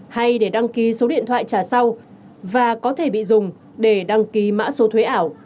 hay để đăng ký số điện thoại trả sau và có thể bị dùng để đăng ký mã số thuế ảo